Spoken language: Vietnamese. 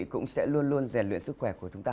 cũng sẽ luôn luôn rèn luyện sức khỏe của chúng ta